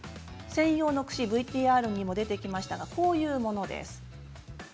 専用のクシ、ＶＴＲにも出てきましたがこういうものです。